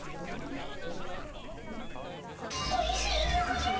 おいしいでおじゃる。